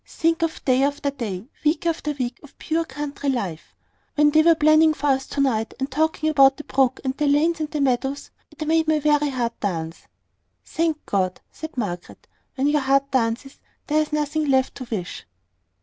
Think of day after day, week after week of pure country life! When they were planning for us to night, and talking of the brook, and lanes, and meadows, it made my very heart dance." "Thank God!" said Margaret. "When your heart dances, there is nothing left to wish."